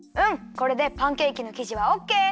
これでパンケーキのきじはオッケー！